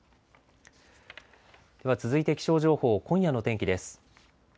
では続いて気象情報、今夜の天気です。